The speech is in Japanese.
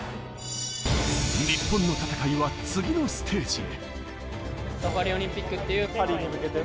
日本の戦いは次のステージへ。